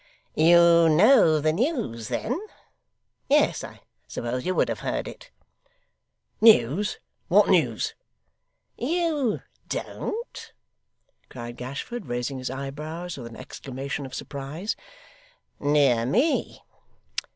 'You know the news, then? Yes, I supposed you would have heard it.' 'News! what news?' 'You don't?' cried Gashford, raising his eyebrows with an exclamation of surprise. 'Dear me!